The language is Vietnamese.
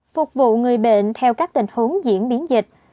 phục vụ người bệnh theo các tình huống diễn biến dịch